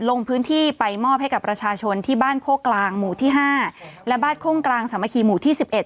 ลงพื้นที่ไปมอบให้กับประชาชนที่บ้านโคกกลางหมู่ที่ห้าและบ้านโค้งกลางสามัคคีหมู่ที่สิบเอ็